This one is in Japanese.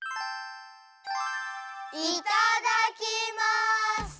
いただきます！